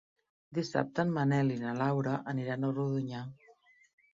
Dissabte en Manel i na Laura aniran a Rodonyà.